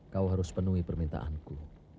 kau harus penuhi permintaanku